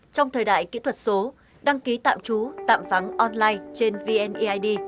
trong thời đại kỹ thuật số đăng ký tạm trú tạm vắng online trên vneid